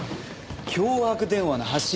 脅迫電話の発信